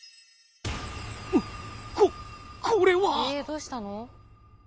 んっここれは！えどうしたの？